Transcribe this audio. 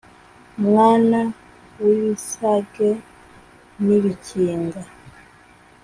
mwana w'ibisage n'ibikinga